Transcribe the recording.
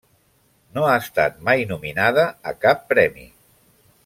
No ha estat mai nominada a cap premi.